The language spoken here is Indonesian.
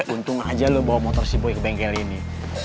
untung aja lu bawa motor si boy ke bengkel ini